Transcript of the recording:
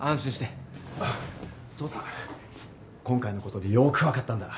父さん今回のことでよく分かったんだ。